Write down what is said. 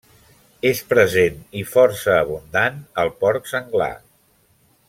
És present i força abundant el porc senglar.